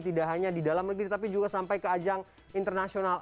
tidak hanya di dalam negeri tapi juga sampai ke ajang internasional